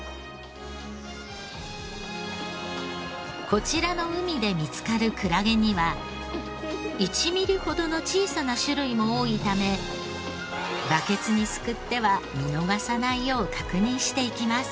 こちらの海で見つかるクラゲには１ミリほどの小さな種類も多いためバケツにすくっては見逃さないよう確認していきます。